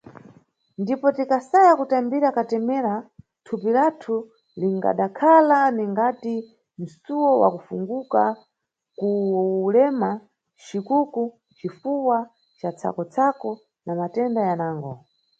Ndipo, tikasaya kutambira katemera, thupi lathu lingadakhala ningati msuwo wa kufunguka ku ulema, cikuku, cifuwa ca tsako-tsako na matenda yanango.